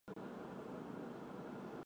制作成员和原作一样。